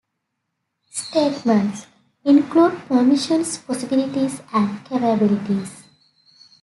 "Statements" include permissions, possibilities and capabilities.